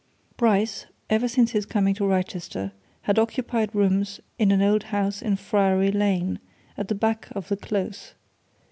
Bryce, ever since his coming to Wrychester, had occupied rooms in an old house in Friary Lane, at the back of the Close.